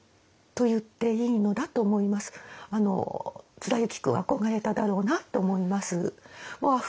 貫之君憧れただろうなって思います。